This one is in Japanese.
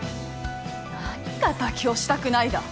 何が妥協したくないだ。